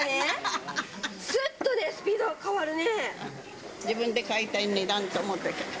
すっとスピードが変わるね。